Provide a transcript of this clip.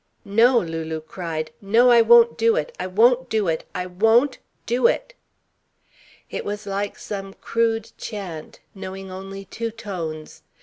"No!" Lulu cried. "No. I won't do it! I won't do it! I won't do it!" It was like some crude chant, knowing only two tones.